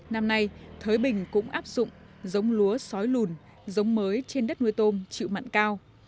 năm nay thới bình cũng áp dụng giống lúa sói lùn giống mới trên đất nuôi tôm chịu mặn cao